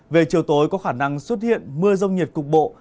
về chiều tối có khả năng xuất hiện mưa rông nhiệt cục bộ